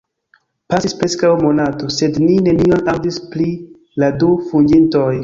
Pasis preskaŭ monato, sed ni nenion aŭdis pri la du fuĝintoj.